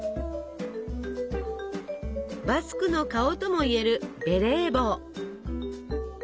バスクの顔ともいえるベレー帽。